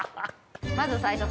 まず最初。